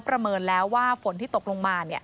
ประเมินแล้วว่าฝนที่ตกลงมา